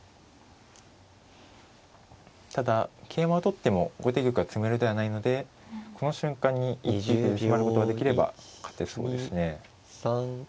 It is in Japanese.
ただ桂馬を取っても後手玉は詰めろではないのでこの瞬間に決まることができれば勝てそうですね。